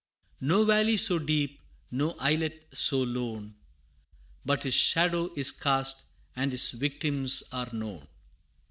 No valley so deep, no islet so lone, But his shadow is cast, and his victims are known.